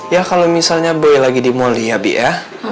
ya kalo misalnya boy lagi di moli ya bik ya